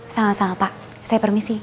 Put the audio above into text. sama sama pak saya permisi